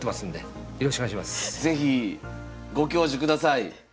是非ご教授ください。